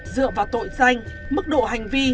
dựa vào tội danh mức độ hành vi